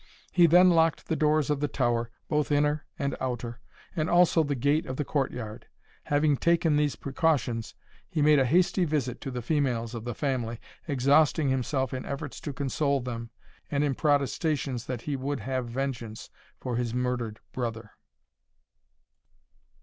He then locked the doors of the tower, both inner and outer, and also the gate of the court yard. Having taken these precautions, he made a hasty visit to the females of the family, exhausting himself in efforts to console them, and in protestations that he would have vengeance for his murdered brother.